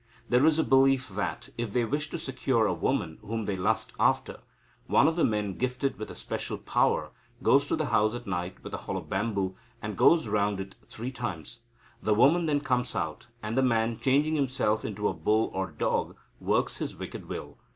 There is a belief that, if they wish to secure a woman whom they lust after, one of the men gifted with the special power goes to the house at night with a hollow bamboo, and goes round it three times. The woman then comes out, and the man, changing himself into a bull or dog, works his wicked will.